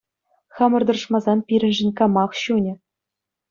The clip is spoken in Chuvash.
Хамӑр тӑрӑшмасан пирӗншӗн камах ҫунӗ?